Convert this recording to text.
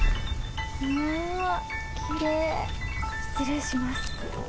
失礼します。